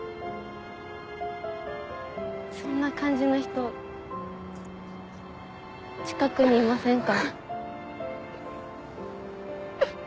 そんな感じの人近くにいませんか？